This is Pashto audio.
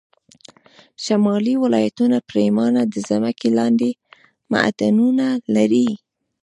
شمالي ولایتونه پرېمانه د ځمکې لاندې معدنونه لري